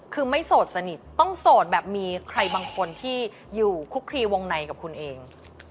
คือไม่โสดสนิทต้องโสดแบบมีใครบางคนที่อยู่คลุกคลีวงในกับคุณเอง